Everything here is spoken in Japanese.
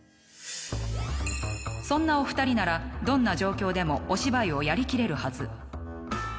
そんなお二人ならどんな状況でもお芝居をやり切れるはず。